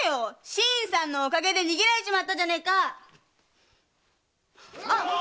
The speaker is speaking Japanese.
新さんのおかげで逃げられちまったじゃねえか！